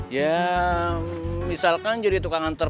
ya misalkan jadi tukang antar